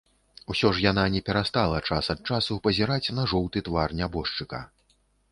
Усё ж яна не перастала час ад часу пазіраць на жоўты твар нябожчыка.